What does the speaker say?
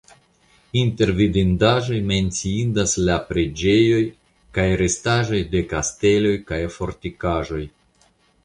Inter vidindaĵoj menciindas la preĝejoj kaj restaĵoj de kasteloj kaj fortikaĵoj.